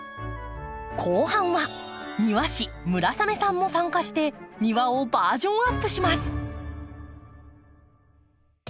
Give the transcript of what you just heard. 後半は庭師村雨さんも参加して庭をバージョンアップします！